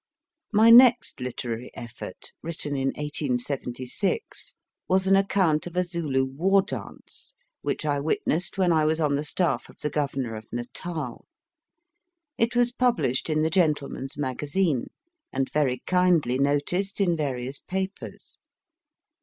My next literary effort, written in 1876, was an account of a Zulu war dance, which I witnessed when I was on the staff of the Governor of Natal. It was published in the Gentleman s Magazine, and very kindly noticed in various papers.